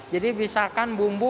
jadi misalkan bumbu